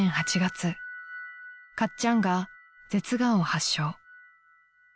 ［かっちゃんが舌がんを発症］